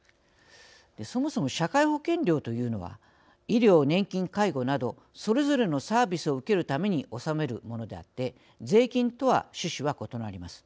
そもそも社会保険料というのは医療年金介護などそれぞれのサービスを受けるために納めるものであって税金とは趣旨は異なります。